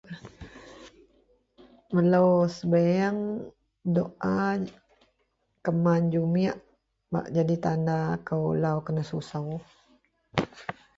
Melou sebiyeang, doa, keman jumit bak jadi tanda akou gak lau kenasusou